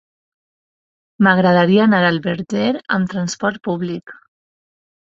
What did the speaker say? M'agradaria anar al Verger amb transport públic.